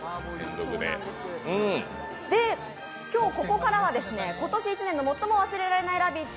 今日ここからは今年１年の最も忘れられない「ラヴィット！」